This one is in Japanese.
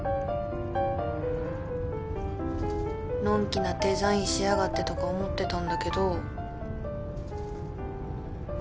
のんきなデザインしやがってとか思ってたんだけど。